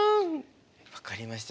分かりました。